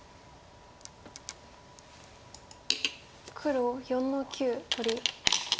黒４の九取り。